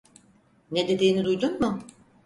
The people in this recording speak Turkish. Ne dediğini duydun mu?